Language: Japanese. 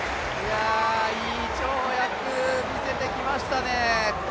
いい跳躍見せてきましたね。